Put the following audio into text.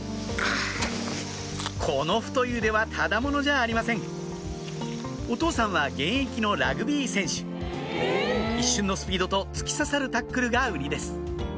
この太い腕はただ者じゃありませんお父さんは現役のラグビー選手一瞬のスピードと突き刺さるタックルが売りです